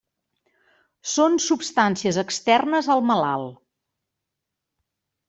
Són substàncies externes al malalt.